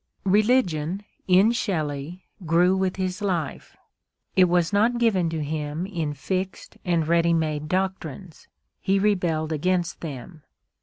Religion, in Shelley, grew with his life; it was not given to him in fixed and ready made doctrines; he rebelled against them.